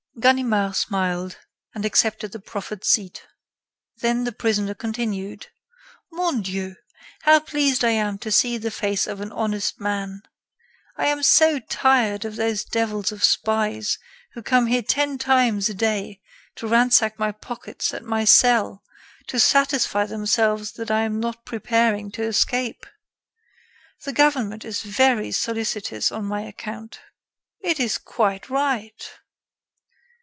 Ganimard smiled, and accepted the proffered seat. Then the prisoner continued: "Mon Dieu, how pleased I am to see the face of an honest man. I am so tired of those devils of spies who come here ten times a day to ransack my pockets and my cell to satisfy themselves that I am not preparing to escape. The government is very solicitous on my account." "It is quite right."